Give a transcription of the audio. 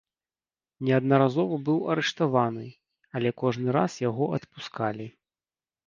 Неаднаразова быў арыштаваны, але кожны раз яго адпускалі.